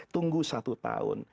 tunggu satu tahun